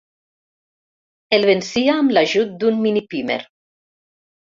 El vencia amb l'ajut d'un Minipímer.